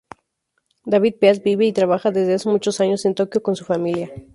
David Peace vive y trabaja desde hace muchos años en Tokio con su familia.